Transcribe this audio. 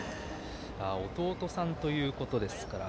弟さんということでした。